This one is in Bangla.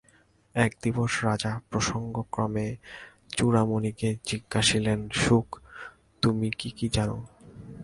এক দিবস রাজা প্রসঙ্গক্রমে চূড়ামণিকে জিজ্ঞাসিলেন শুক তুমি কী কী জান?